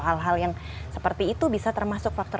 hal hal yang seperti itu bisa termasuk faktor